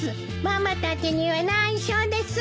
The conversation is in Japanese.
ママたちには内緒です。